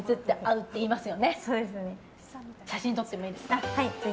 写真撮ってもいですか。